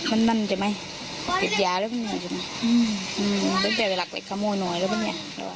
มันเจอไปหลักเหล็กขโมงหน่อยแล้วปะเนี่ย